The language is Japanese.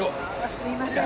すいません。